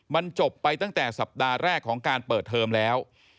มันจบไปตั้งแต่สัปดาห์แรกของการเปิดเทอมแล้ว